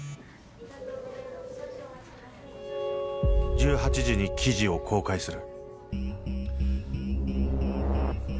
「１８時に記事を公開する」。